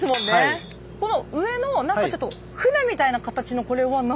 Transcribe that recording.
この上のなんかちょっと船みたいな形のこれは何ですか？